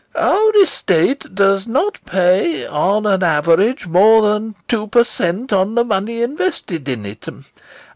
Our estate does not pay on an average more than two per cent on the money invested in it.